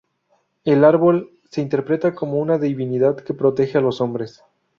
El árbol se interpreta como una divinidad que protege a los hombres.